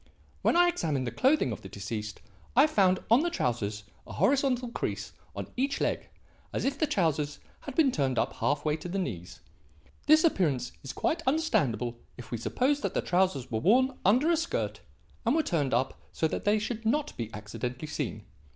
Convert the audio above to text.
When I examined the clothing of the deceased, I found on the trousers a horizontal crease on each leg as if the trousers had been turned up half way to the knees. This appearance is quite understandable if we suppose that the trousers were worn under a skirt and were turned up so that they should not be accidentally seen.